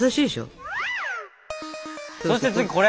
そして次これ！